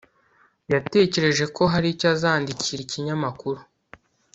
yatekereje ko hari icyo azandikira ikinyamakuru